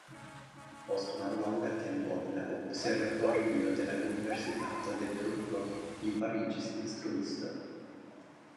Post mallonga tempo en la observatorio de la universitato de Turku, li fariĝis instruisto.